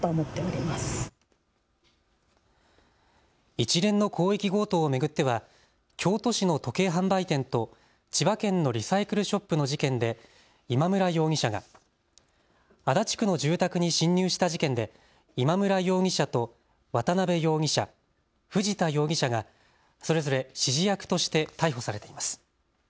一連の広域強盗を巡っては京都市の時計販売店と千葉県のリサイクルショップの事件で今村容疑者が、足立区の住宅に侵入した事件で今村容疑者と渡邉容疑者、藤田容疑者がそれぞれ指示役として逮捕されています。